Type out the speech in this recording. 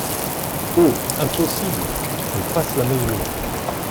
Oh !, Impossible !, Elle passe la mesure.